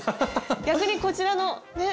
逆にこちらのね